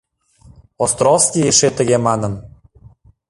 Островский эше тыге манын.